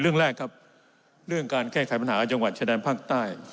เรื่องแรกครับเรื่องการแก้ไขปัญหาจังหวัดชายแดนภาคใต้